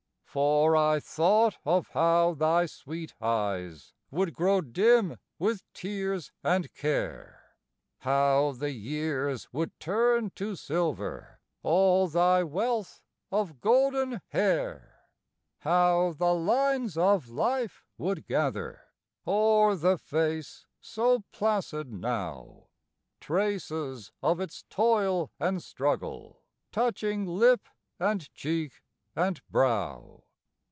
For I thought of how thy sweet eyes Would grow dim with tears and care; How the years would turn to silver All thy wealth of golden hair. How the lines of life would gather O'er the face so placid now; Traces of its toil and struggle Touching lip and cheek and brow.